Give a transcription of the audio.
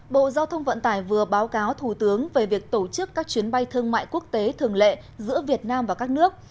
bộ giao thông vận tải vừa báo cáo thủ tướng về việc tổ chức các chuyến bay thương mại quốc tế thường lệ giữa việt nam và các nước